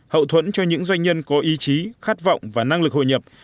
hậu thuẫn cho những doanh nhân có ý chí khát vọng và năng lực hội nhập